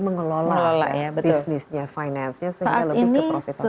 mengelola bisnisnya finance nya sehingga lebih ke profit profit